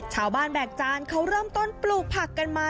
แบกจานเขาเริ่มต้นปลูกผักกันมา